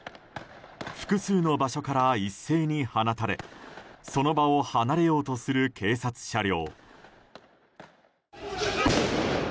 複数の場所から一斉に放たれその場を離れようとする警察車両。